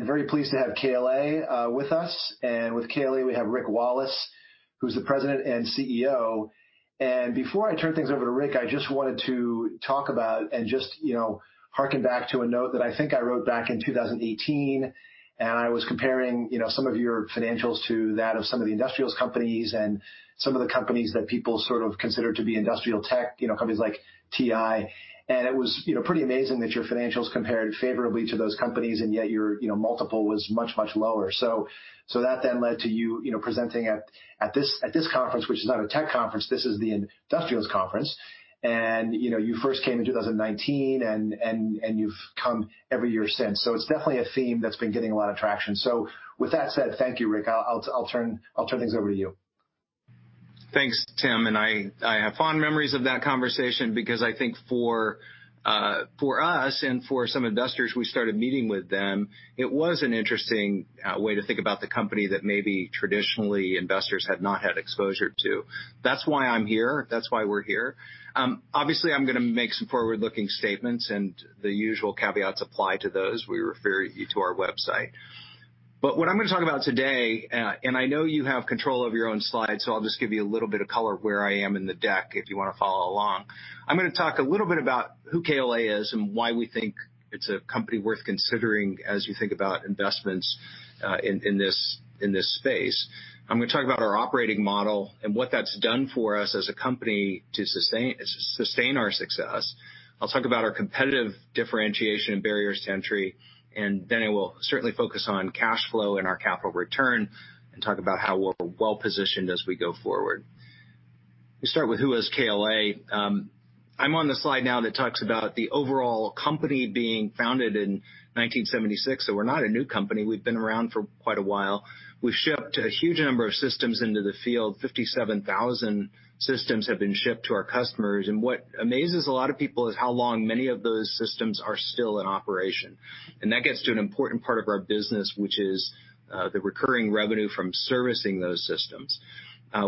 Very pleased to have KLA with us. With KLA, we have Rick Wallace, who's the President and CEO. Before I turn things over to Rick, I just wanted to talk about, harken back to a note that I think I wrote back in 2018, and I was comparing some of your financials to that of some of the industrials companies and some of the companies that people sort of consider to be industrial tech, companies like TI. It was pretty amazing that your financials compared favorably to those companies, and yet your multiple was much, much lower. That then led to you presenting at this conference, which is not a tech conference, this is the industrials conference, and you first came in 2019, and you've come every year since. It's definitely a theme that's been getting a lot of traction. With that said, thank you, Rick. I'll turn things over to you. Thanks, Tim. I have fond memories of that conversation because I think for us and for some investors, we started meeting with them. It was an interesting way to think about the company that maybe traditionally investors had not had exposure to. That's why I'm here. That's why we're here. Obviously, I'm going to make some forward-looking statements. The usual caveats apply to those. We refer you to our website. What I'm going to talk about today, and I know you have control of your own slides, so I'll just give you a little bit of color where I am in the deck if you want to follow along. I'm going to talk a little bit about who KLA is and why we think it's a company worth considering as you think about investments in this space. I'm going to talk about our operating model and what that's done for us as a company to sustain our success. I'll talk about our competitive differentiation and barriers to entry, and then I will certainly focus on cash flow and our capital return and talk about how we're well-positioned as we go forward. We start with who is KLA. I'm on the slide now that talks about the overall company being founded in 1976, so we're not a new company. We've been around for quite a while. We've shipped a huge number of systems into the field. 57,000 systems have been shipped to our customers, and what amazes a lot of people is how long many of those systems are still in operation. That gets to an important part of our business, which is the recurring revenue from servicing those systems.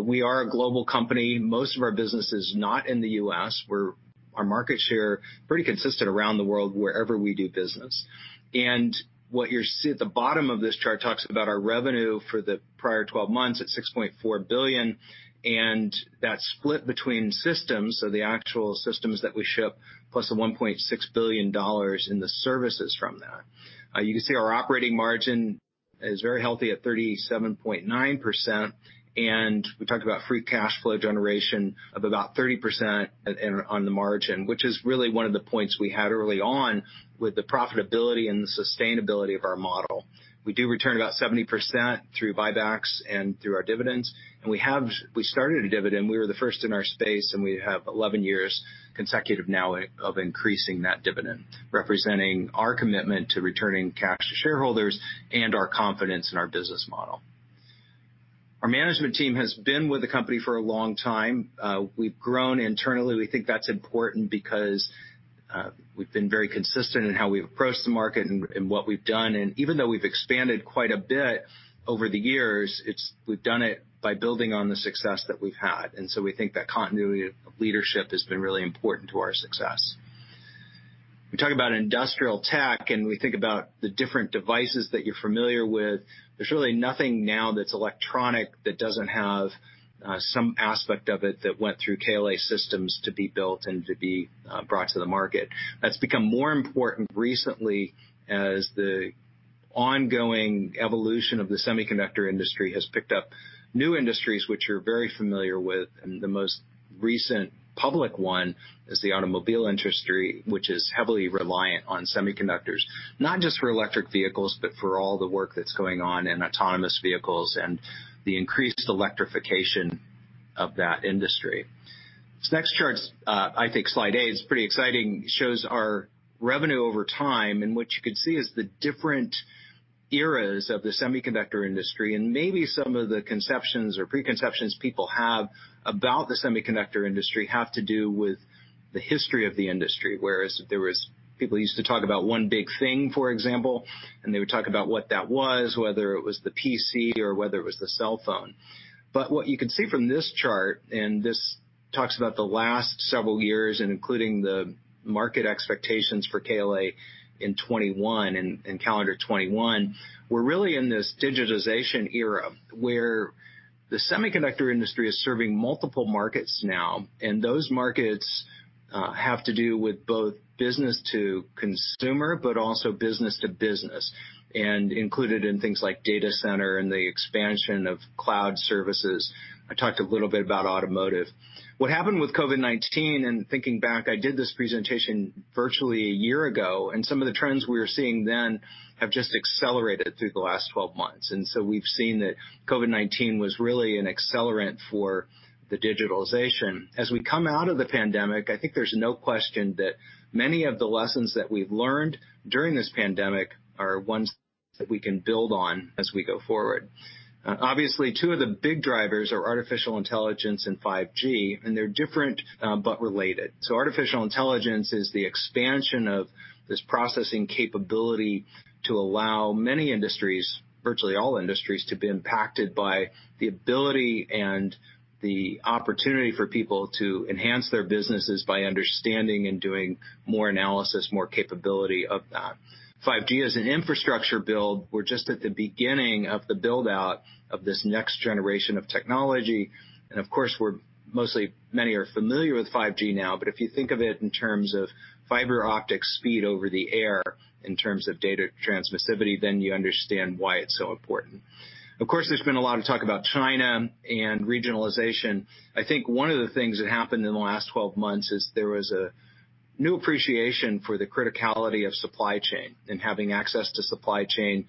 We are a global company. Most of our business are not in the U.S., where our market share pretty consistent around the world wherever we do business. What you see at the bottom of this chart talks about our revenue for the prior 12 months at $6.4 billion, and that split between systems, so the actual systems that we ship, plus the $1.6 billion in the services from that. You can see our operating margin is very healthy at 37.9%, and we talked about free cash flow generation of about 30% on the margin, which is really one of the points we had early on with the profitability and the sustainability of our model. We do return about 70% through buybacks and through our dividends, and we started a dividend. We were the first in our space, we have 11 years consecutive now of increasing that dividend, representing our commitment to returning cash to shareholders and our confidence in our business model. Our management team has been with the company for a long time. We've grown internally. We think that's important because we've been very consistent in how we approach the market and what we've done, and even though we've expanded quite a bit over the years, we've done it by building on the success that we've had. We think that continuity of leadership has been really important to our success. We talk about industrial tech, and we think about the different devices that you're familiar with. There's really nothing now that's electronic that doesn't have some aspect of it that went through KLA systems to be built and to be brought to the market. That's become more important recently as the ongoing evolution of the semiconductor industry has picked up new industries, which you're very familiar with, and the most recent public one is the automobile industry, which is heavily reliant on semiconductors. Not just for electric vehicles, but for all the work that's going on in autonomous vehicles and the increased electrification of that industry. This next chart, I think slide eight is pretty exciting. It shows our revenue over time, and what you can see is the different eras of the semiconductor industry, and maybe some of the conceptions or preconceptions people have about the semiconductor industry have to do with the history of the industry. Whereas there was people used to talk about one big thing, for example, and they would talk about what that was, whether it was the PC or whether it was the cell phone. What you can see from this chart, this talks about the last several years and including the market expectations for KLA in 2021. In calendar 2021, we're really in this digitization era where the semiconductor industry is serving multiple markets now, and those markets have to do with both business to consumer, but also business to business, and included in things like data center and the expansion of cloud services. I talked a little bit about automotive. What happened with COVID-19, and thinking back, I did this presentation virtually a year ago, and some of the trends we were seeing then have just accelerated through the last 12 months. We've seen that COVID-19 was really an accelerant for the digitalization. As we come out of the pandemic, I think there's no question that many of the lessons that we've learned during this pandemic are ones that we can build on as we go forward. Two of the big drivers are Artificial Intelligence and 5G. They're different, but related. Artificial Intelligence is the expansion of this processing capability to allow many industries, virtually all industries, to be impacted by the ability and the opportunity for people to enhance their businesses by understanding and doing more analysis, more capability of that. 5G is an infrastructure build. We're just at the beginning of the build-out of this next generation of technology. Of course, mostly many are familiar with 5G now, but if you think of it in terms of fiber optic speed over the air in terms of data transmissivity, then you understand why it's so important. Of course, there's been a lot of talk about China and regionalization. I think one of the things that happened in the last 12 months is there was a new appreciation for the criticality of supply chain and having access to supply chain,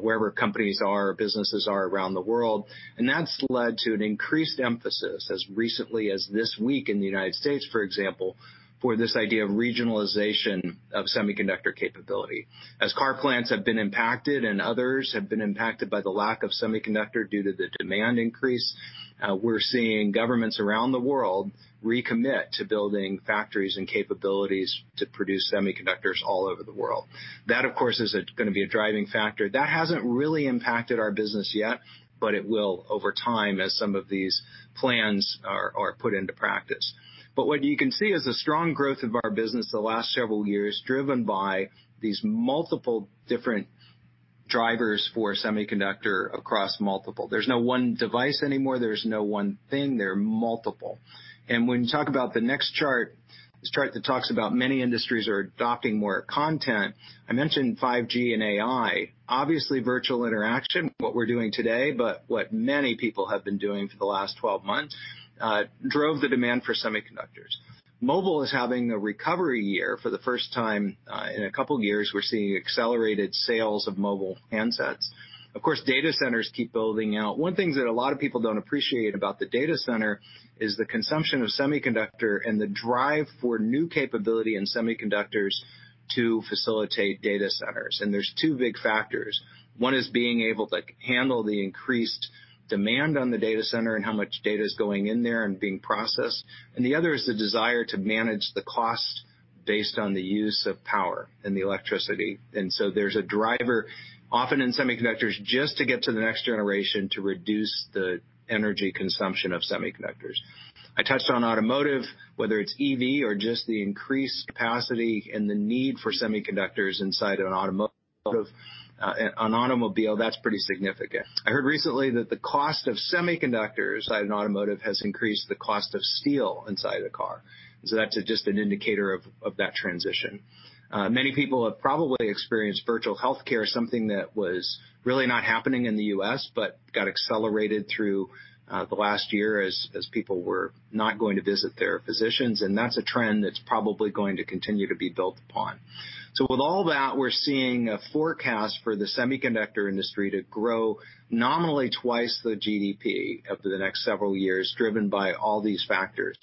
wherever companies are, businesses are around the world. That's led to an increased emphasis as recently as this week in the United States, for example, for this idea of regionalization of semiconductor capability. As car plants have been impacted and others have been impacted by the lack of semiconductor due to the demand increase, we're seeing governments around the world recommit to building factories and capabilities to produce semiconductors all over the world. That, of course, is going to be a driving factor. That hasn't really impacted our business yet, but it will over time as some of these plans are put into practice. What you can see is the strong growth of our business the last several years, driven by these multiple different drivers for semiconductor across multiple. There's no one device anymore. There's no one thing. They're multiple. When you talk about the next chart, this chart talks about many industries are adopting more content. I mentioned 5G and AI, obviously virtual interaction, what we're doing today, but what many people have been doing for the last 12 months, drove the demand for semiconductors. Mobile is having a recovery year. For the first time in a couple of years, we're seeing accelerated sales of mobile handsets. Of course, data centers keep building out. One thing that a lot of people don't appreciate about the data center is the consumption of semiconductor and the drive for new capability in semiconductors to facilitate data centers. There's two big factors. One is being able to handle the increased demand on the data center and how much data is going in there and being processed, and the other is the desire to manage the cost based on the use of power and the electricity. There's a driver often in semiconductors just to get to the next generation to reduce the energy consumption of semiconductors. I touched on automotive, whether it's EV or just the increased capacity and the need for semiconductors inside an automobile, that's pretty significant. I heard recently that the cost of semiconductors in automotive has increased the cost of steel inside a car. That's just an indicator of that transition. Many people have probably experienced virtual healthcare, something that was really not happening in the U.S. but got accelerated through the last year as people were not going to visit their physicians, and that's a trend that's probably going to continue to be built upon. With all that, we're seeing a forecast for the semiconductor industry to grow nominally twice the GDP over the next several years, driven by all these factors.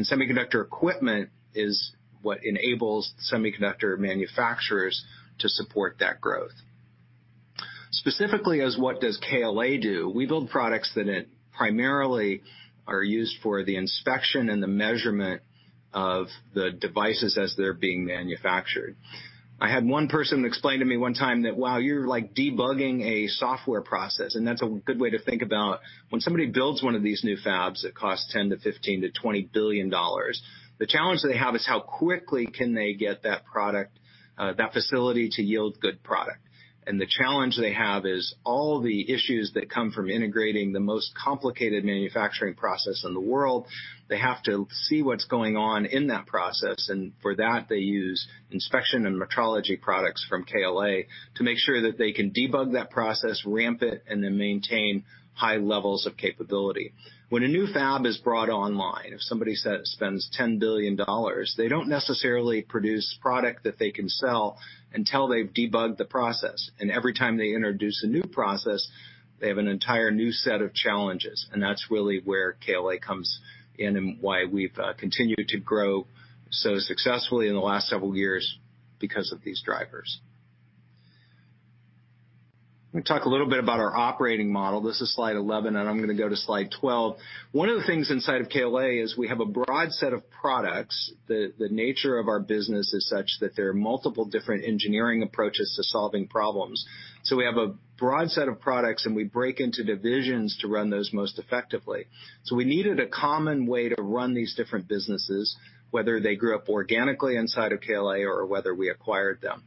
Semiconductor equipment is what enables semiconductor manufacturers to support that growth. Specifically as what does KLA do? We build products that primarily are used for the inspection and the measurement of the devices as they're being manufactured. I had one person explain to me one time that, wow, you're debugging a software process, and that's a good way to think about when somebody builds one of these new fabs that cost $10 billion-$15 billion to $20 billion. The challenge they have is how quickly can they get that facility to yield good product. The challenge they have is all the issues that come from integrating the most complicated manufacturing process in the world. They have to see what's going on in that process, and for that, they use inspection and metrology products from KLA to make sure that they can debug that process, ramp it, and then maintain high levels of capability. When a new fab is brought online, if somebody spends $10 billion, they don't necessarily produce product that they can sell until they've debugged the process. Every time they introduce a new process, they have an entire new set of challenges, and that's really where KLA comes in and why we've continued to grow so successfully in the last several years because of these drivers. Let me talk a little bit about our operating model. This is slide 11, and I'm going to go to slide 12. One of the things inside of KLA is we have a broad set of products. The nature of our business is such that there are multiple different engineering approaches to solving problems. We have a broad set of products, and we break into divisions to run those most effectively. We needed a common way to run these different businesses, whether they grew up organically inside of KLA or whether we acquired them.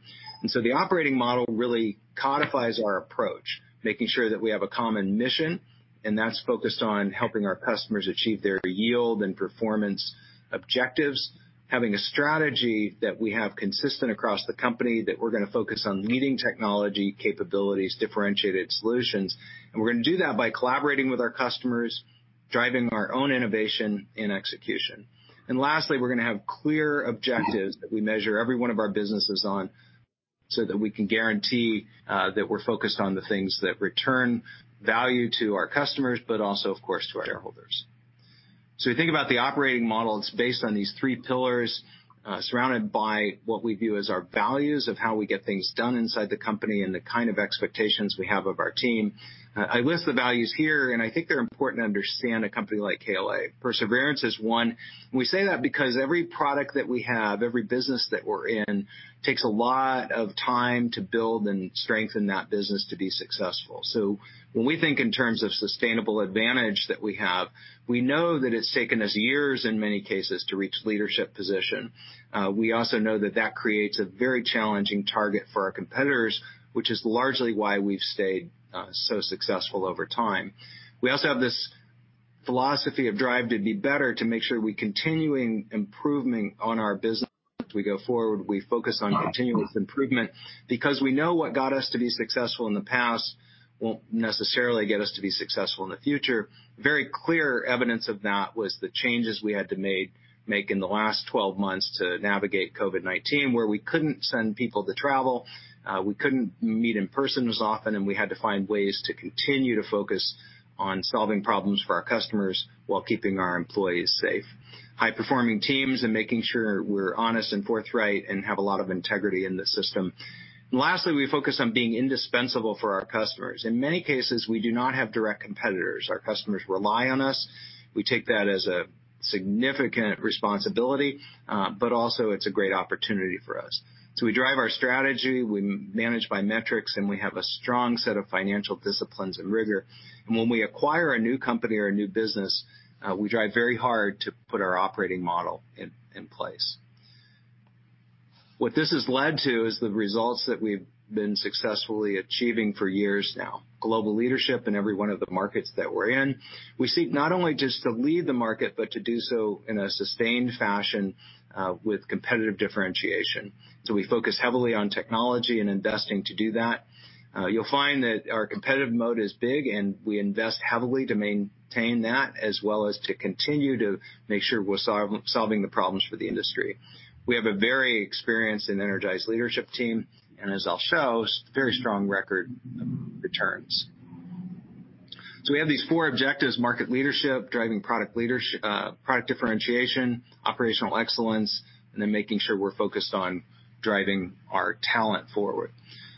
The operating model really codifies our approach, making sure that we have a common mission, and that's focused on helping our customers achieve their yield and performance objectives, having a strategy that we have consistent across the company that we're going to focus on leading technology capabilities, differentiated solutions. We're going to do that by collaborating with our customers, driving our own innovation in execution. Lastly, we're going to have clear objectives that we measure every one of our businesses on so that we can guarantee that we're focused on the things that return value to our customers, but also, of course, to our shareholders. You think about the operating model, it's based on these three pillars, surrounded by what we view as our values of how we get things done inside the company and the kind of expectations we have of our team. I list the values here, and I think they're important to understand a company like KLA. Perseverance is one. We say that because every product that we have, every business that we're in, takes a lot of time to build and strengthen that business to be successful. When we think in terms of sustainable advantage that we have, we know that it's taken us years in many cases to reach leadership position. We also know that that creates a very challenging target for our competitors, which is largely why we've stayed so successful over time. We also have this philosophy of drive to be better, to make sure we're continuing improvement on our business as we go forward. We focus on continuous improvement, because we know what got us to be successful in the past won't necessarily get us to be successful in the future. Very clear evidence of that was the changes we had to make in the last 12 months to navigate COVID-19, where we couldn't send people to travel, we couldn't meet in person as often, and we had to find ways to continue to focus on solving problems for our customers while keeping our employees safe. High-performing teams and making sure we're honest and forthright and have a lot of integrity in the system. Lastly, we focus on being indispensable for our customers. In many cases, we do not have direct competitors. Our customers rely on us. We take that as a significant responsibility, but also it's a great opportunity for us. We drive our strategy, we manage by metrics, and we have a strong set of financial disciplines and rigor. When we acquire a new company or a new business, we drive very hard to put our operating model in place. What this has led to is the results that we've been successfully achieving for years now. Global leadership in every one of the markets that we're in. We seek not only just to lead the market, but to do so in a sustained fashion with competitive differentiation. We focus heavily on technology and investing to do that. You'll find that our competitive mode is big, and we invest heavily to maintain that, as well as to continue to make sure we're solving the problems for the industry. We have a very experienced and energized leadership team, and as I'll show, very strong record returns. We have these four objectives, market leadership, driving product differentiation, operational excellence, and then making sure we're focused on driving our talent forward.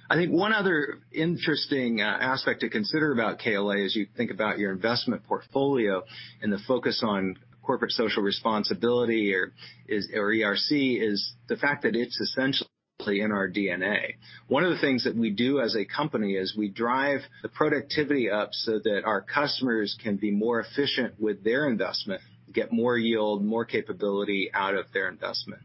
I think one other interesting aspect to consider about KLA, as you think about your investment portfolio and the focus on corporate social responsibility or ESG, is the fact that it's essentially in our DNA. One of the things that we do as a company is we drive the productivity up so that our customers can be more efficient with their investment, get more yield, more capability out of their investment.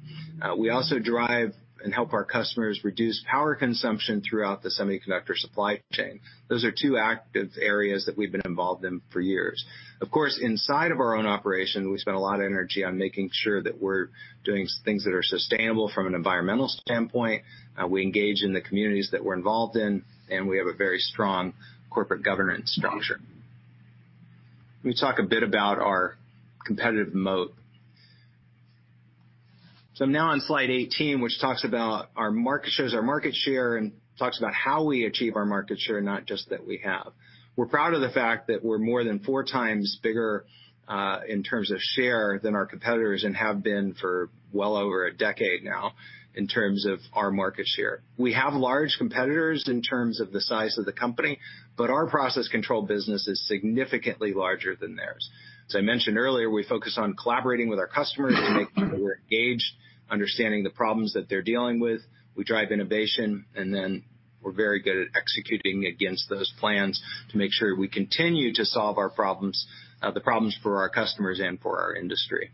We also drive and help our customers reduce power consumption throughout the semiconductor supply chain. Those are two active areas that we've been involved in for years. Of course, inside of our own operation, we spend a lot of energy on making sure that we're doing things that are sustainable from an environmental standpoint, we engage in the communities that we're involved in, and we have a very strong corporate governance structure. Let me talk a bit about our competitive moat. Now on slide 18, which talks about our market share, and talks about how we achieve our market share, not just that we have. We're proud of the fact that we're more than 4x bigger, in terms of share, than our competitors and have been for well over a decade now in terms of our market share. We have large competitors in terms of the size of the company, but our process control business is significantly larger than theirs. As I mentioned earlier, we focus on collaborating with our customers to make sure we're engaged, understanding the problems that they're dealing with. We drive innovation, and then we're very good at executing against those plans to make sure we continue to solve our problems, the problems for our customers, and for our industry.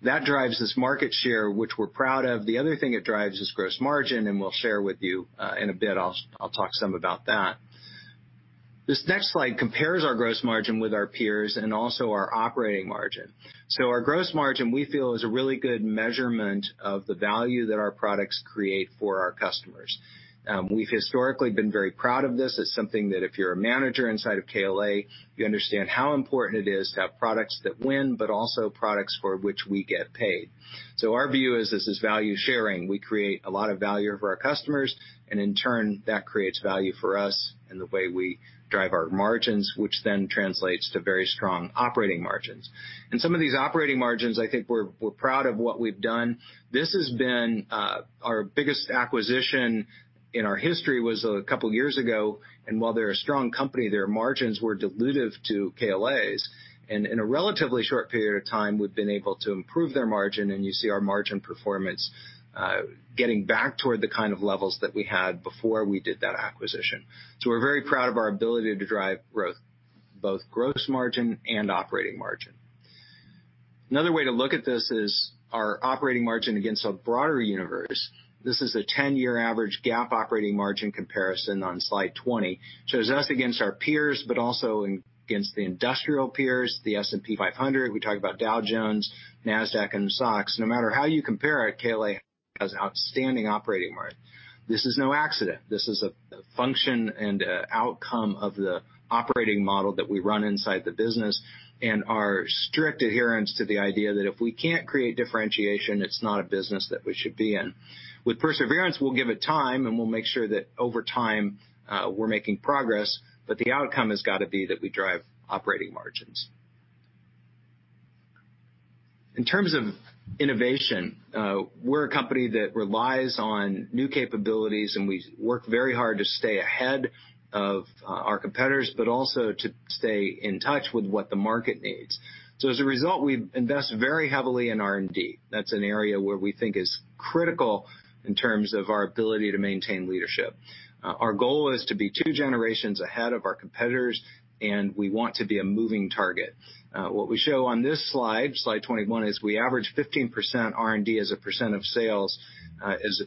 That drives this market share, which we're proud of. The other thing it drives is gross margin, and we'll share with you, in a bit I'll talk some about that. This next slide compares our gross margin with our peers and also our operating margin. Our gross margin, we feel, is a really good measurement of the value that our products create for our customers. We've historically been very proud of this. It's something that if you're a manager inside of KLA, you understand how important it is to have products that win, but also products for which we get paid. Our view is this is value sharing. We create a lot of value for our customers, and in turn, that creates value for us in the way we drive our margins, which then translates to very strong operating margins. Some of these operating margins, I think we're proud of what we've done. This has been our biggest acquisition in our history was a couple of years ago, and while they're a strong company, their margins were dilutive to KLA's. In a relatively short period of time, we've been able to improve their margin, and you see our margin performance, getting back toward the kind of levels that we had before we did that acquisition. We're very proud of our ability to drive growth, both gross margin and operating margin. Another way to look at this is our operating margin against a broader universe. This is a 10-year average GAAP operating margin comparison on slide 20. Shows us against our peers, but also against the industrial peers in the S&P 500. We talked about Dow Jones, Nasdaq, and SOX. No matter how you compare it, KLA has outstanding operating margin. This is no accident. This is a function and an outcome of the operating model that we run inside the business and our strict adherence to the idea that if we can't create differentiation, it's not a business that we should be in. With perseverance, we'll give it time, and we'll make sure that over time, we're making progress, but the outcome has got to be that we drive operating margins. In terms of innovation, we're a company that relies on new capabilities, and we work very hard to stay ahead of our competitors, but also to stay in touch with what the market needs. As a result, we invest very heavily in R&D. That's an area where we think is critical in terms of our ability to maintain leadership. Our goal is to be two generations ahead of our competitors, and we want to be a moving target. What we show on this slide 21, is we average 15% R&D as a percent of sales,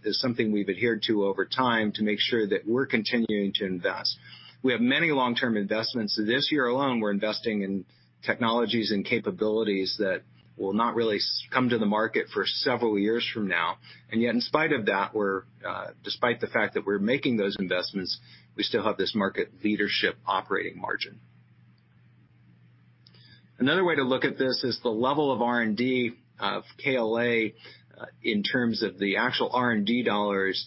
is something we've adhered to over time to make sure that we're continuing to invest. We have many long-term investments. This year alone, we're investing in technologies and capabilities that will not really come to the market for several years from now. Yet, despite the fact that we're making those investments, we still have this market leadership operating margin. Another way to look at this is the level of R&D of KLA in terms of the actual R&D dollars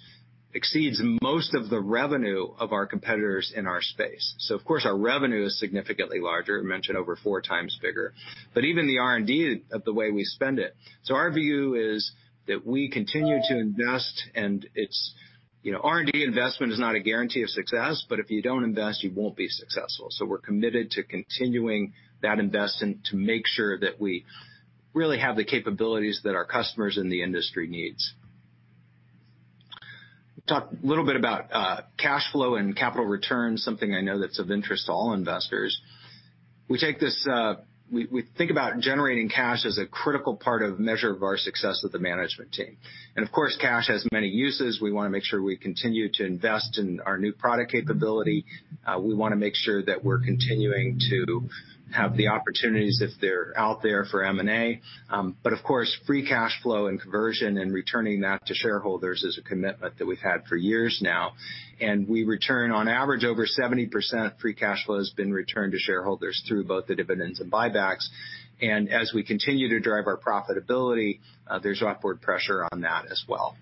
exceeds most of the revenue of our competitors in our space. Of course, our revenue is significantly larger, I mentioned over 4x bigger, but even the R&D, the way we spend it. Our view is that we continue to invest and R&D investment is not a guarantee of success, but if you don't invest, you won't be successful. We're committed to continuing that investment to make sure that we really have the capabilities that our customers and the industry needs. Talk a little bit about cash flow and capital returns, something I know that's of interest to all investors. We think about generating cash as a critical part of measure of our success with the management team. Of course, cash has many uses. We want to make sure we continue to invest in our new product capability. We want to make sure that we're continuing to have the opportunities if they're out there for M&A. Of course, free cash flow and conversion and returning that to shareholders is a commitment that we've had for years now, and we return on average over 70% free cash flow has been returned to shareholders through both the dividends and buybacks. As we continue to drive our profitability, there's upward pressure on that as well.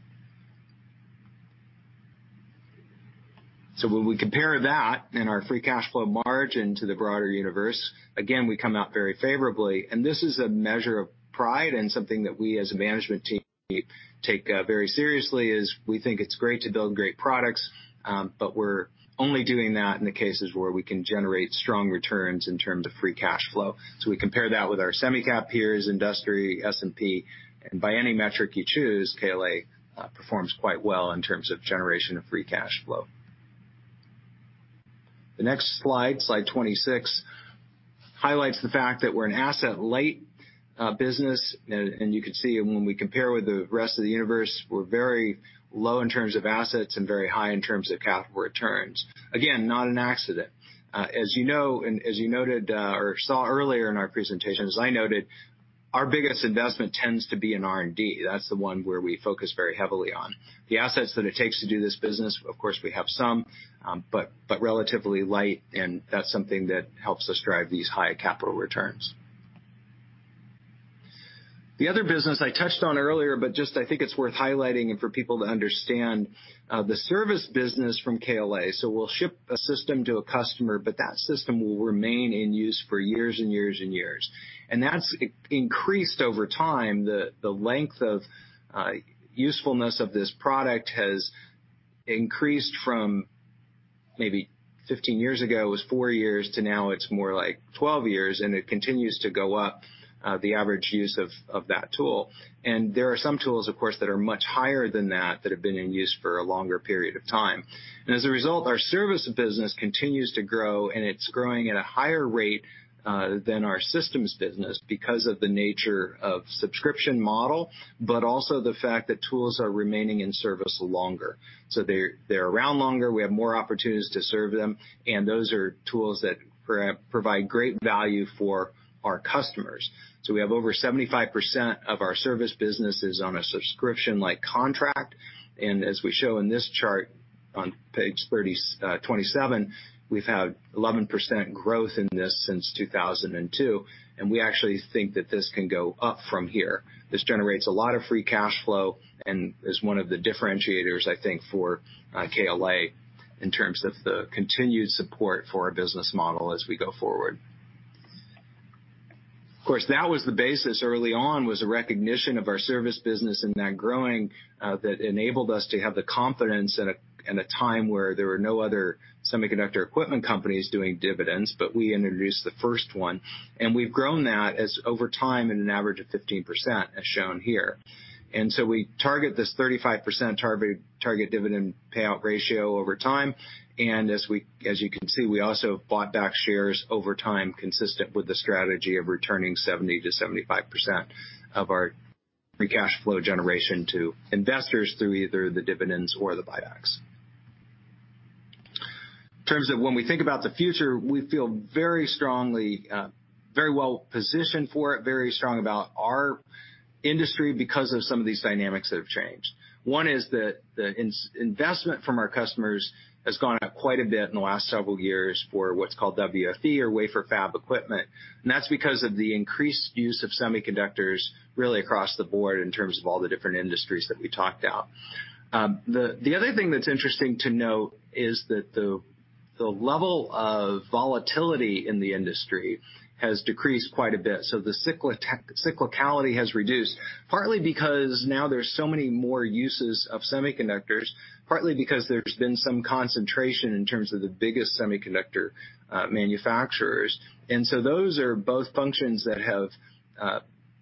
When we compare that and our free cash flow margin to the broader universe, again, we come out very favorably, and this is a measure of pride and something that we as a management team take very seriously. We think it's great to build great products, but we're only doing that in the cases where we can generate strong returns in terms of free cash flow. We compare that with our semi-cap peers, industry, S&P, and by any metric you choose, KLA performs quite well in terms of generation of free cash flow. The next slide 26, highlights the fact that we're an asset-light business, and you can see when we compare with the rest of the universe, we're very low in terms of assets and very high in terms of capital returns. Again, not an accident. As you noted or saw earlier in our presentation, as I noted, our biggest investment tends to be in R&D. That's the one where we focus very heavily on. The assets that it takes to do this business, of course, we have some, but relatively light, and that's something that helps us drive these high capital returns. The other business I touched on earlier, but just I think it's worth highlighting and for people to understand, the service business from KLA. We'll ship a system to a customer, but that system will remain in use for years and years and years, and that's increased over time. The length of usefulness of this product has increased from maybe 15 years ago, it was four years, to now it's more like 12 years, and it continues to go up, the average use of that tool. There are some tools, of course, that are much higher than that have been in use for a longer period of time. As a result, our services business continues to grow, and it's growing at a higher rate than our systems business because of the nature of subscription model, but also the fact that tools are remaining in service longer. They're around longer, we have more opportunities to serve them, and those are tools that provide great value for our customers. We have over 75% of our service business on a subscription-like contract, and as we show in this chart on page 27, we've had 11% growth in this since 2002. We actually think that this can go up from here. This generates a lot of free cash flow and is one of the differentiators, I think, for KLA in terms of the continued support for our business model as we go forward. Of course, that was the basis early on was a recognition of our service business and that growing, that enabled us to have the confidence at a time where there were no other semiconductor equipment companies doing dividends, but we introduced the first one. We've grown that as over time at an average of 15%, as shown here. We target this 35% target dividend payout ratio over time, and as you can see, we also have bought back shares over time, consistent with the strategy of returning 70%-75% of our free cash flow generation to investors through either the dividends or the buybacks. In terms of when we think about the future, we feel very well-positioned for it. Very strong about our industry because of some of these dynamics that have changed. One is that the investment from our customers has gone up quite a bit in the last several years for what's called WFE or wafer fab equipment, and that's because of the increased use of semiconductors really across the board in terms of all the different industries that we talked about. The other thing that's interesting to note is that the level of volatility in the industry has decreased quite a bit. The cyclicality has reduced, partly because now there's so many more uses of semiconductors, partly because there's been some concentration in terms of the biggest semiconductor manufacturers. Those are both functions that have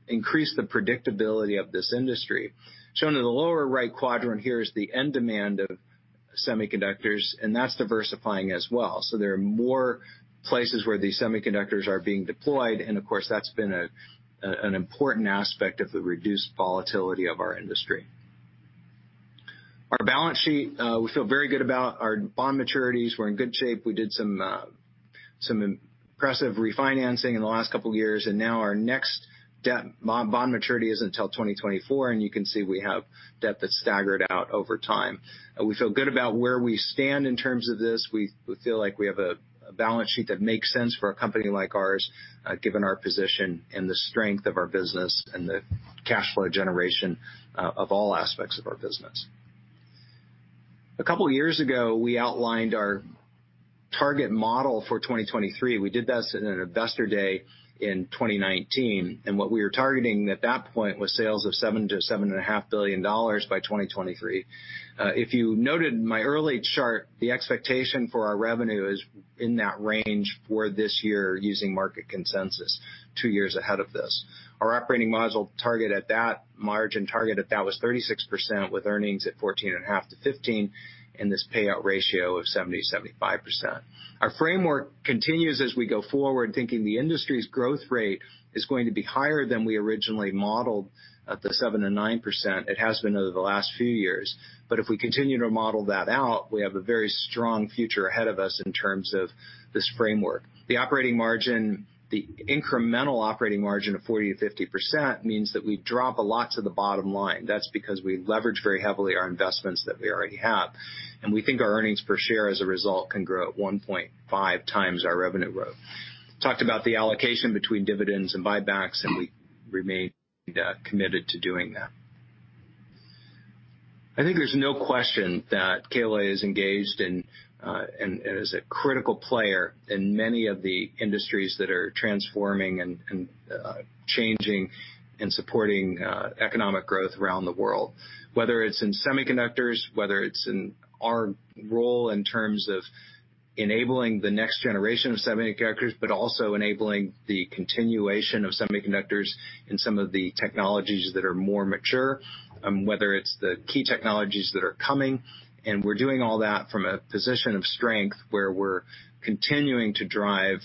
increased the predictability of this industry. Shown in the lower right quadrant here is the end demand of semiconductors, and that's diversifying as well. There are more places where these semiconductors are being deployed, and of course, that's been an important aspect of the reduced volatility of our industry. Our balance sheet, we feel very good about our bond maturities, we're in good shape. We did some impressive refinancing in the last couple of years, and now our next debt bond maturity isn't until 2024, and you can see we have debt that's staggered out over time. We feel good about where we stand in terms of this. We feel like we have a balance sheet that makes sense for a company like ours, given our position and the strength of our business, and the cash flow generation of all aspects of our business. A couple of years ago, we outlined our target model for 2023. We did this at an investor day in 2019, what we were targeting at that point was sales of $7 billion-$7.5 billion by 2023. If you noted in my early chart, the expectation for our revenue is in that range for this year using market consensus two years ahead of this. Our operating model target at that margin target of that was 36%, with earnings at $14.50-$15.00, and this payout ratio of 70%-75%. Our framework continues as we go forward, thinking the industry's growth rate is going to be higher than we originally modeled at the 7%-9%. It has been over the last few years. If we continue to model that out, we have a very strong future ahead of us in terms of this framework. The operating margin, the incremental operating margin of 40%-50%, means that we drop a lot to the bottom line. That's because we leverage very heavily our investments that we already have. We think our earnings per share, as a result, can grow at 1.5x our revenue growth. Talked about the allocation between dividends and buybacks, we remain committed to doing that. I think there's no question that KLA is engaged in and is a critical player in many of the industries that are transforming and changing, and supporting economic growth around the world. Whether it's in semiconductors, whether it's in our role in terms of enabling the next generation of semiconductors, but also enabling the continuation of semiconductors in some of the technologies that are more mature. Whether it's the key technologies that are coming, and we're doing all that from a position of strength where we're continuing to drive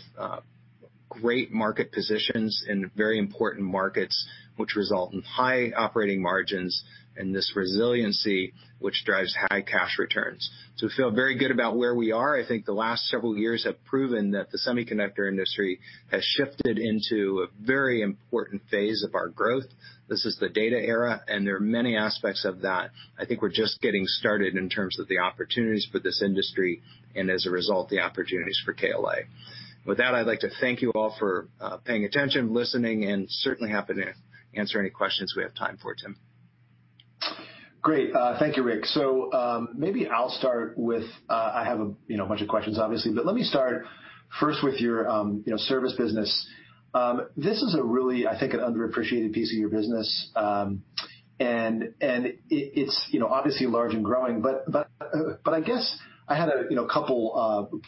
great market positions in very important markets, which result in high operating margins and this resiliency, which drives high cash returns. We feel very good about where we are. I think the last several years have proven that the semiconductor industry has shifted into a very important phase of our growth. This is the data era. There are many aspects of that. I think we're just getting started in terms of the opportunities for this industry and as a result, the opportunities for KLA. With that, I'd like to thank you all for paying attention, listening, and certainly happy to answer any questions we have time for, Tim. Great. Thank you, Rick. Maybe I'll start with, I have a bunch of questions, obviously, but let me start first with your service business. This is a really, I think, an underappreciated piece of your business, and it's obviously large and growing, but I guess I had a couple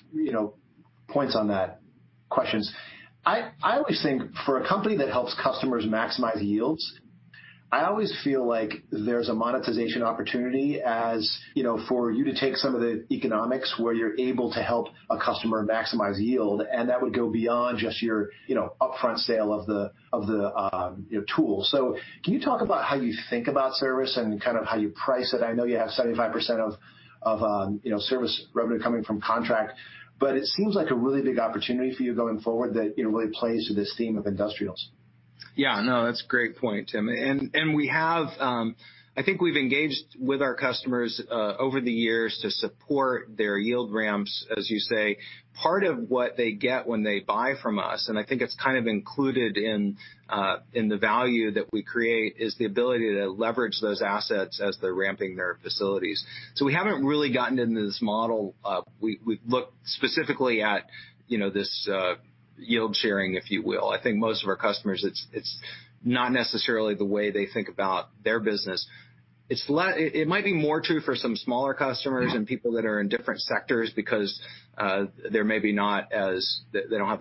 points on that, questions. I always think for a company that helps customers maximize yields, I always feel like there's a monetization opportunity as for you to take some of the economics where you're able to help a customer maximize yield, and that would go beyond just your upfront sale of the tool. Can you talk about how you think about service and kind of how you price it? I know you have 75% of service revenue coming from contract, but it seems like a really big opportunity for you going forward that really plays to this theme of industrials. Yeah, no, that's a great point, Tim. We have, I think we've engaged with our customers over the years to support their yield ramps, as you say. Part of what they get when they buy from us, and I think it's kind of included in the value that we create, is the ability to leverage those assets as they're ramping their facilities. We haven't really gotten into this model. We've looked specifically at this yield sharing, if you will. I think most of our customers, it's not necessarily the way they think about their business. It might be more true for some smaller customers and people that are in different sectors because they don't have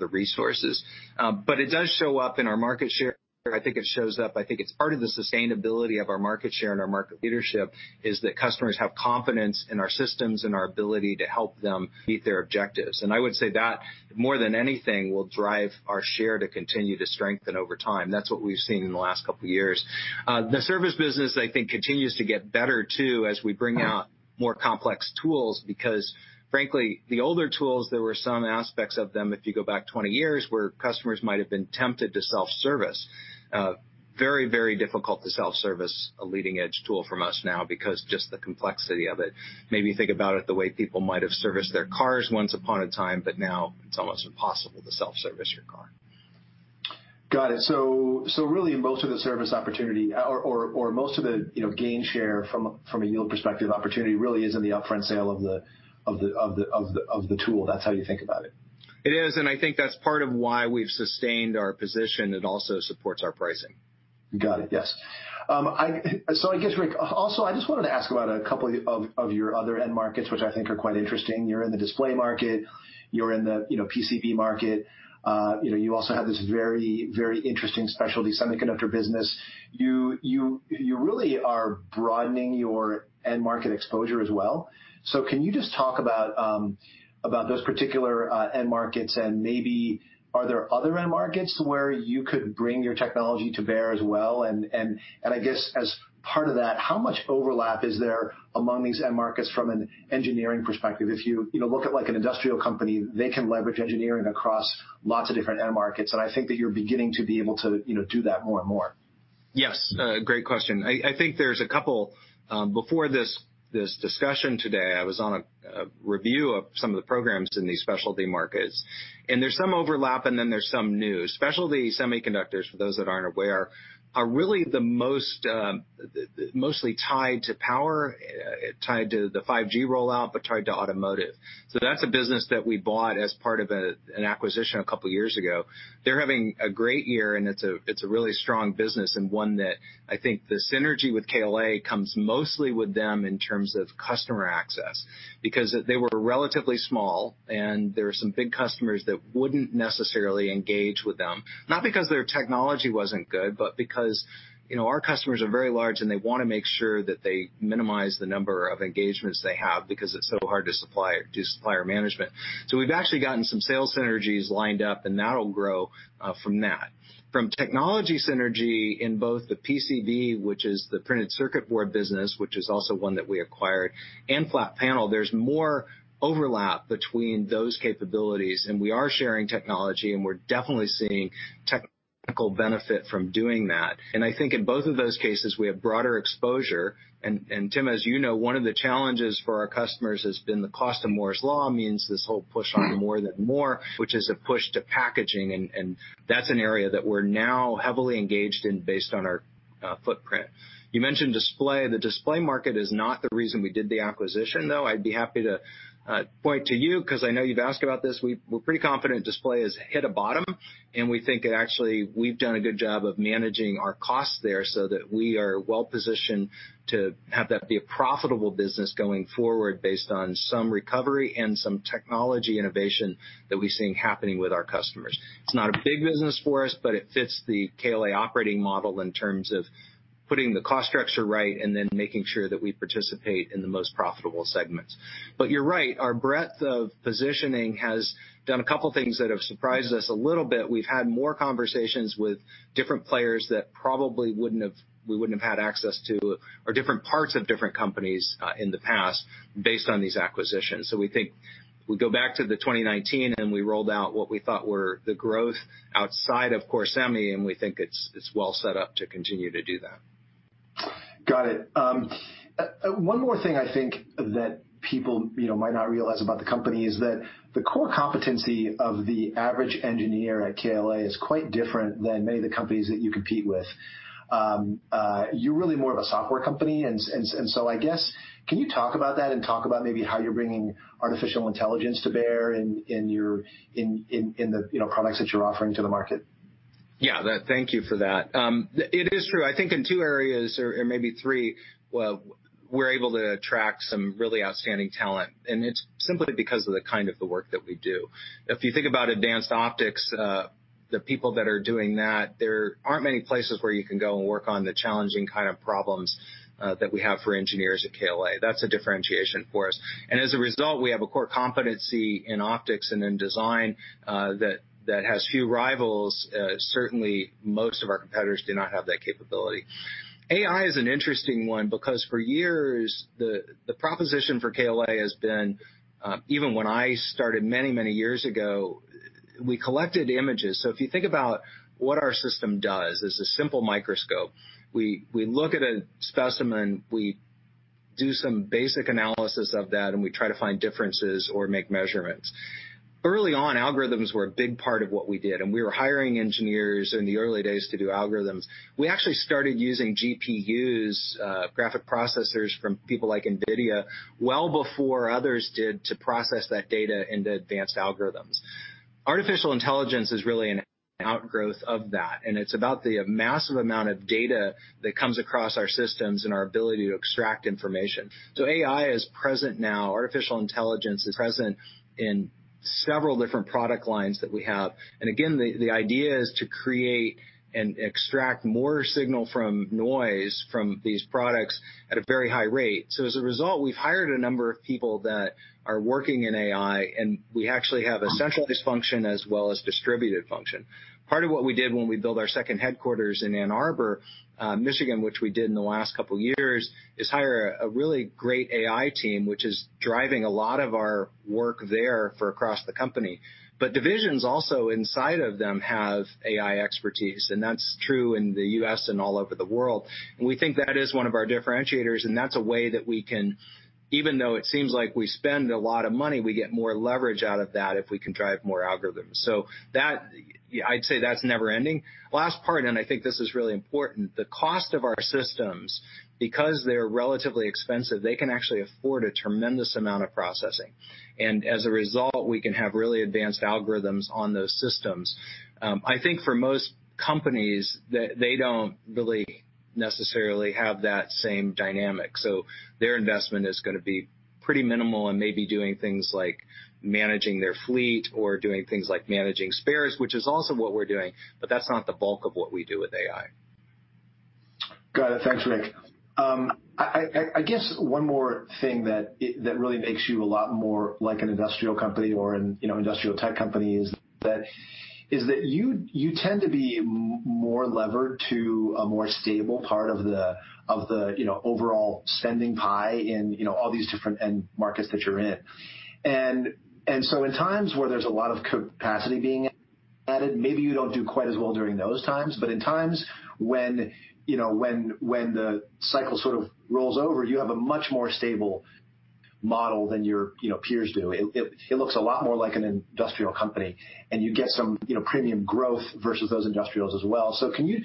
the resources. It does show up in our market share. I think it shows up, I think it's part of the sustainability of our market share and our market leadership is that customers have confidence in our systems and our ability to help them meet their objectives. I would say that, more than anything, will drive our share to continue to strengthen over time. That's what we've seen in the last couple of years. The service business, I think, continues to get better too, as we bring out more complex tools, because frankly, the older tools, there were some aspects of them, if you go back 20 years, where customers might've been tempted to self-service. Very, very difficult to self-service a leading-edge tool from us now because just the complexity of it. Maybe think about it the way people might have serviced their cars once upon a time, but now it's almost impossible to self-service your car. Got it. Really, most of the service opportunity or most of the gain share from a yield perspective opportunity really is in the upfront sale of the tool. That's how you think about it? It is, and I think that's part of why we've sustained our position. It also supports our pricing. Got it. Yes. I guess also I just wanted to ask about a couple of your other end markets, which I think are quite interesting. You're in the display market, you're in the PCB market. You also have this very interesting specialty semiconductor business. You really are broadening your end market exposure as well. Can you just talk about those particular end markets and maybe are there other end markets where you could bring your technology to bear as well? I guess as part of that, how much overlap is there among these end markets from an engineering perspective? If you look at an industrial company, they can leverage engineering across lots of different end markets, and I think that you're beginning to be able to do that more and more. Yes, great question. I think there's a couple. Before this discussion today, I was on a review of some of the programs in these specialty markets, and there's some overlap, and then there's some new. Specialty semiconductors, for those that aren't aware, are really mostly tied to power, tied to the 5G rollout, but tied to automotive. That's a business that we bought as part of an acquisition a couple of years ago. They're having a great year, and it's a really strong business, and one that I think the synergy with KLA comes mostly with them in terms of customer access. Because they were relatively small, and there are some big customers that wouldn't necessarily engage with them, not because their technology wasn't good, but because our customers are very large, and they want to make sure that they minimize the number of engagements they have because it's so hard to do supplier management. We've actually gotten some sales synergies lined up, and that'll grow from that. From technology synergy in both the PCB, which is the printed circuit board business, which is also one that we acquired, and flat panel, there's more overlap between those capabilities, and we are sharing technology, and we're definitely seeing technical benefit from doing that. I think in both of those cases, we have broader exposure. Tim, as you know, one of the challenges for our customers has been the cost of Moore's law, means this whole push for More than Moore, which is a push to packaging. That's an area that we're now heavily engaged in based on our footprint. You mentioned display. The display market is not the reason we did the acquisition, though I'd be happy to point to you because I know you've asked about this. We're pretty confident display has hit a bottom, and we think actually we've done a good job of managing our costs there so that we are well-positioned to have that be a profitable business going forward based on some recovery and some technology innovation that we've seen happening with our customers. It's not a big business for us, it fits the KLA operating model in terms of putting the cost structure right and then making sure that we participate in the most profitable segments. You're right, our breadth of positioning has done a couple things that have surprised us a little bit. We've had more conversations with different players that probably we wouldn't have had access to, or different parts of different companies in the past based on these acquisitions. We think we go back to the 2019, and we rolled out what we thought were the growth outside of core semi, and we think it's well set up to continue to do that. Got it. One more thing I think that people might not realize about the company is that the core competency of the average engineer at KLA is quite different than many of the companies that you compete with. You're really more of a software company, and so I guess, can you talk about that and talk about maybe how you're bringing artificial intelligence to bear in the products that you're offering to the market? Yeah. Thank you for that. It is true. I think in two areas or maybe three, we're able to attract some really outstanding talent, and it's simply because of the kind of the work that we do. If you think about advanced optics, the people that are doing that, there aren't many places where you can go and work on the challenging kind of problems that we have for engineers at KLA. That's a differentiation for us. As a result, we have a core competency in optics and in design that has few rivals. Certainly, most of our competitors do not have that capability. AI is an interesting one because for years, the proposition for KLA has been, even when I started many years ago, we collected images. If you think about what our system does, it's a simple microscope. We look at a specimen, we do some basic analysis of that, and we try to find differences or make measurements. Early on, algorithms were a big part of what we did, and we were hiring engineers in the early days to do algorithms. We actually started using GPUs, graphic processors from people like NVIDIA, well before others did to process that data into advanced algorithms. Artificial intelligence is really an outgrowth of that, and it's about the massive amount of data that comes across our systems and our ability to extract information. AI is present now. Artificial intelligence is present in several different product lines that we have. Again, the idea is to create and extract more signal from noise from these products at a very high rate. As a result, we've hired a number of people that are working in AI, and we actually have a centralized function as well as distributed function. Part of what we did when we built our second headquarters in Ann Arbor, Michigan, which we did in the last couple of years, is hire a really great AI team, which is driving a lot of our work there for across the company. Divisions also inside of them have AI expertise, and that's true in the U.S. and all over the world. We think that is one of our differentiators, and that's a way that we can, even though it seems like we spend a lot of money, we get more leverage out of that if we can drive more algorithms. That, I'd say that's never-ending. Last part, I think this is really important, the cost of our systems, because they're relatively expensive, they can actually afford a tremendous amount of processing. As a result, we can have really advanced algorithms on those systems. I think for most companies, they don't necessarily have that same dynamic. Their investment is going to be pretty minimal and maybe doing things like managing their fleet or doing things like managing spares, which is also what we're doing, but that's not the bulk of what we do with AI. Got it. Thanks, Rick. I guess one more thing that really makes you a lot more like an industrial company or an industrial tech company is that you tend to be more levered to a more stable part of the overall spending pie in all these different end markets that you're in. In times where there's a lot of capacity being added, maybe you don't do quite as well during those times, but in times when the cycle sort of rolls over, you have a much more stable model than your peers do. It looks a lot more like an industrial company, and you get some premium growth versus those industrials as well. Can you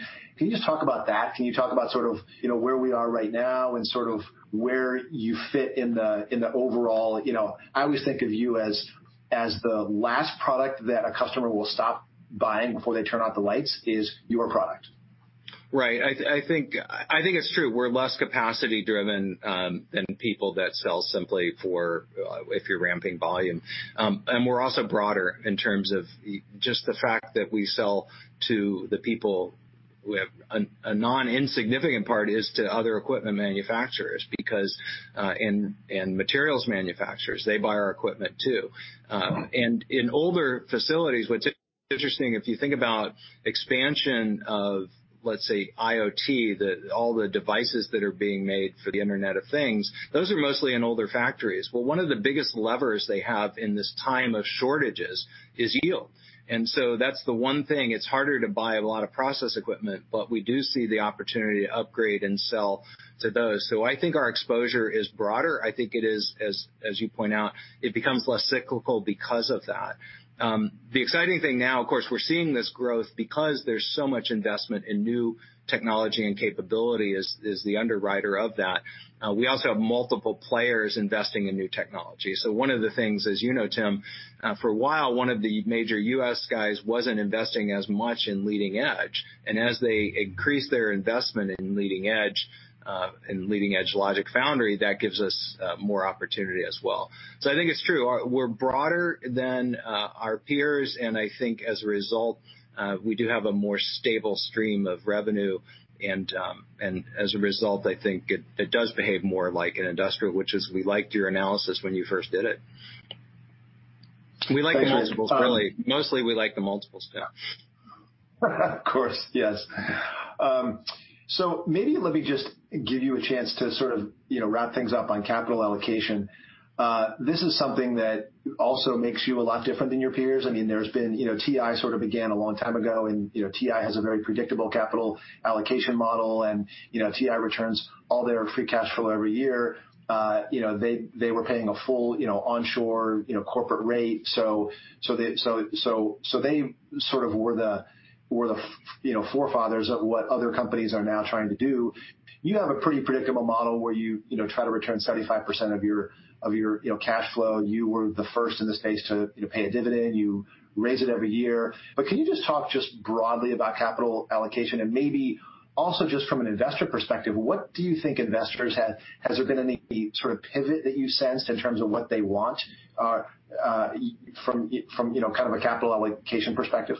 just talk about that? Can you talk about sort of where we are right now and sort of where you fit in the overall, I always think of you as the last product that a customer will stop buying before they turn out the lights is your product? Right. I think it's true. We're less capacity-driven than people that sell simply for if you're ramping volume. We're also broader in terms of just the fact that we sell to the people who have a non-insignificant part is to other equipment manufacturers because in materials manufacturers, they buy our equipment too. In older facilities, what's interesting, if you think about expansion of, let's say, IoT, that all the devices that are being made for the Internet of Things, those are mostly in older factories. One of the biggest levers they have in this time of shortages is yield. That's the one thing. It's harder to buy a lot of process equipment, but we do see the opportunity to upgrade and sell to those. I think our exposure is broader. I think it is, as you point out, it becomes less cyclical because of that. The exciting thing now, of course, we're seeing this growth because there's so much investment in new technology and capability as the underwriter of that. We also have multiple players investing in new technology. One of the things, as you know, Tim, for a while, one of the major U.S. guys wasn't investing as much in leading edge. As they increase their investment in leading edge logic foundry, that gives us more opportunity as well. I think it's true. We're broader than our peers, as a result, we do have a more stable stream of revenue. As a result, I think it does behave more like an industrial, which is we liked your analysis when you first did it. We like the multiples really. Mostly we like the multiples, yeah. Of course, yes. Maybe let me just give you a chance to sort of wrap things up on capital allocation. This is something that also makes you a lot different than your peers. I mean, there's been TI sort of began a long time ago, and TI has a very predictable capital allocation model, and TI returns all their free cash flow every year. They were paying a full onshore corporate rate. They sort of were the forefathers of what other companies are now trying to do. You have a pretty predictable model where you try to return 75% of your cash flow. You were the first in the space to pay a dividend. You raise it every year. Can you just talk broadly about capital allocation and maybe also just from an investor perspective, Has there been any sort of pivot that you sensed in terms of what they want from kind of a capital allocation perspective?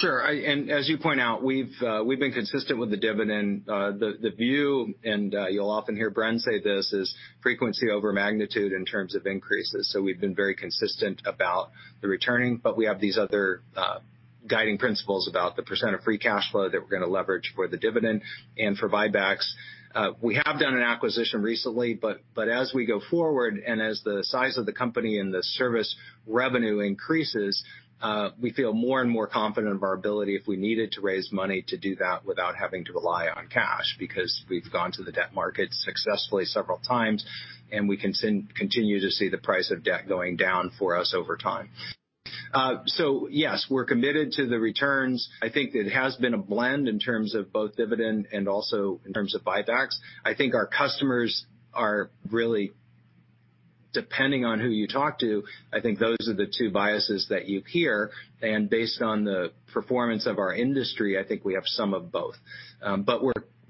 Sure. As you point out, we've been consistent with the dividend. The view, and you'll often hear Bren say this, is frequency over magnitude in terms of increases. We've been very consistent about the returning, but we have these other guiding principles about the percent of free cash flow that we're going to leverage for the dividend and for buybacks. We have done an acquisition recently, but as we go forward and as the size of the company and the service revenue increases, we feel more and more confident of our ability if we needed to raise money to do that without having to rely on cash because we've gone to the debt market successfully several times, and we continue to see the price of debt going down for us over time. Yes, we're committed to the returns. I think it has been a blend in terms of both dividend and also in terms of buybacks. I think our customers are really depending on who you talk to. I think those are the two biases that you hear. Based on the performance of our industry, I think we have some of both.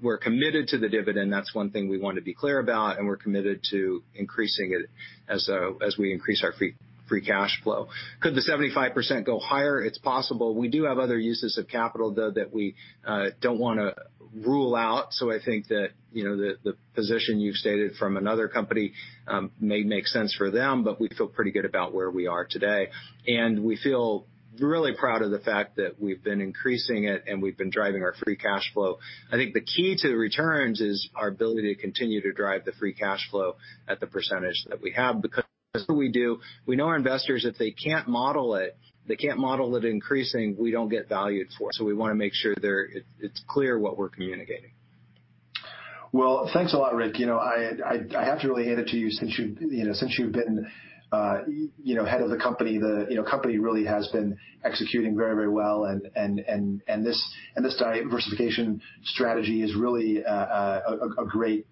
We're committed to the dividend, that's one thing we want to be clear about. We're committed to increasing it as we increase our free cash flow. Could the 75% go higher? It's possible. We do have other uses of capital, though, that we don't want to rule out. I think that the position you've stated from another company may make sense for them, but we feel pretty good about where we are today. We feel really proud of the fact that we've been increasing it and we've been driving our free cash flow. I think the key to the returns is our ability to continue to drive the free cash flow at the percentage that we have because that's what we do. We know investors, if they can't model it increasing, we don't get valued for. We want to make sure it's clear what we're communicating. Well, thanks a lot, Rick. I have to really hand it to you since you've been head of the company. The company really has been executing very well. This diversification strategy is really a great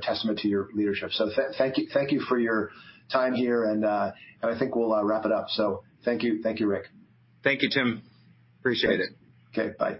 testament to your leadership. Thank you for your time here, and I think we'll wrap it up. Thank you, Rick. Thank you, Tim. Appreciate it. Okay, bye.